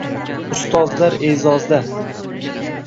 Ustozlar e’zozda